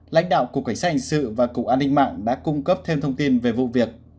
lãnh đạo cục cảnh sát hình sự và cục an ninh mạng đã cung cấp thêm thông tin về vụ việc